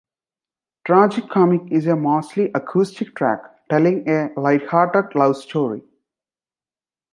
"Tragic Comic" is a mostly acoustic track telling a light-hearted love story.